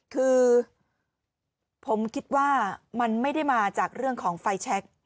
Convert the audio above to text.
คือผมคิดว่ามันไม่ได้มาจากเรื่องของไฟแชค